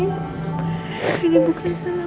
ini bukan salah